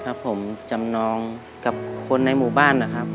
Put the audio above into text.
ครับผมจำนองกับคนในหมู่บ้านนะครับ